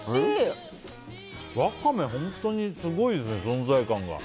ワカメ、本当にすごいですね存在感が。